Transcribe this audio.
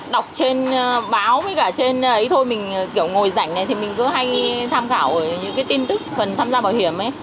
đọc trên báo với cả trên ấy thôi mình kiểu ngồi rảnh này thì mình cứ hay tham khảo ở những cái tin tức phần tham gia bảo hiểm ấy